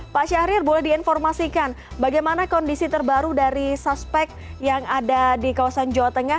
pak syahrir boleh diinformasikan bagaimana kondisi terbaru dari suspek yang ada di kawasan jawa tengah